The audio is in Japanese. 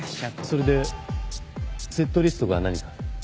それでセットリストが何か？